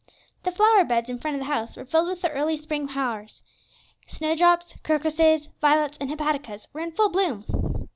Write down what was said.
The flower beds in front of the house were filled with the early spring flowers; snowdrops, crocuses, violets, and hepaticas were in full bloom.